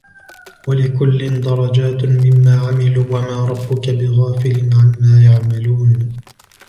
ولكل درجات مما عملوا وما ربك بغافل عما يعملون